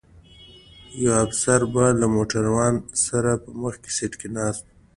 یو افسر به له موټروان سره په مخکي سیټ ناست و.